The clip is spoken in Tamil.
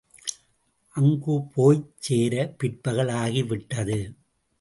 அங்குப்போ ய்ச் சேர பிற்பகல் ஆகிவிட்டது.